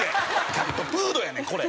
キャットフードやねんこれ。